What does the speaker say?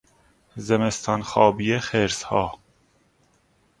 زمستانخوابی خرسها